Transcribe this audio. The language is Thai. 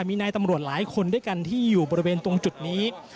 มีนายตำรวจหลายคนด้วยกันที่อยู่บริเวณตรงจุดนี้